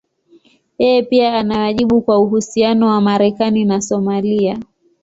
Yeye pia ana wajibu kwa uhusiano wa Marekani na Somalia.